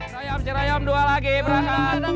crayom crayom dua lagi berangkat